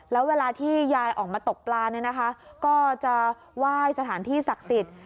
แล้วเวลาที่ยายออกมาตกปลาเนี่ยนะคะก็จะไหว้สถานที่ศักดิ์สิทธิ์